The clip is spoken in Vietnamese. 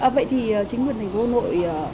vậy thì chính quyền thành phố hà nội